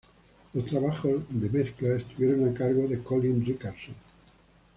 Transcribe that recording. Los trabajos de mezcla estuvieron a cargo de Colin Richardson.